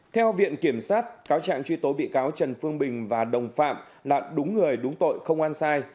theo viện kiểm sát cáo trạng truy tố bị cáo trần phương bình và đồng phạm là đúng người đúng tội không ăn sai